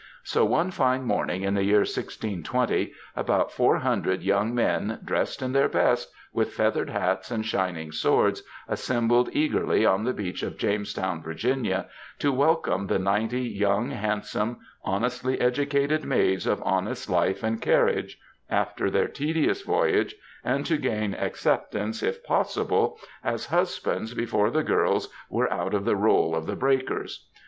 So one fine morning in the year 1620, about four hundred young men, dressed in their best, with feathered hats and shining swords, assembled eagerly on the beach of Jamestown, Virginia, to welcome the ninety '^ young, handsome, honestly educated maids, of honest life and carriage,'*^ after their tedious voyage, and to gain acceptance, if possible, as husbands, before the girls were out of the roll of the breakers.